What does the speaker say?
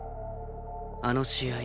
あの試合